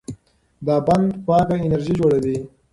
دا بند پاکه انرژي جوړوي.